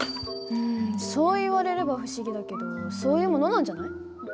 うんそう言われれば不思議だけどそういうものなんじゃない？